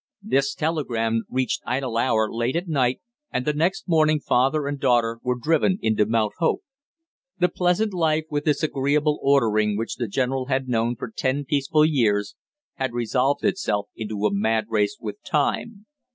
This telegram reached Idle Hour late at night, and the next morning father and daughter were driven into Mount Hope. The pleasant life with its agreeable ordering which the general had known for ten peaceful years had resolved itself into a mad race with time.